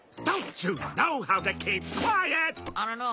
どうかな？